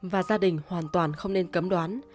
và gia đình hoàn toàn không nên cấm đoán